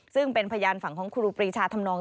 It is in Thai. ซึ่งเป็นพยานฝั่งของครูปรีชาทำนอง